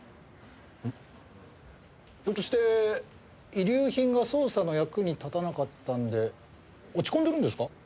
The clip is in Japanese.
フひょっとして遺留品が捜査の役に立たなかったんで落ち込んでるんですか？